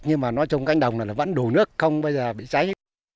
nhưng mà nói chung cánh đồng này là vẫn đủ nước không bây giờ bị cháy